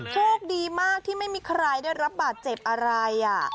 โชคดีมากที่ไม่มีใครได้รับบาดเจ็บอะไร